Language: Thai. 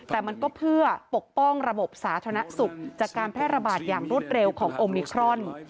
แต่มันก็เพื่อปกป้องระบบสาธารณสุขจากการแพร่ระบาดอย่างรวดเร็วของโอมิครอน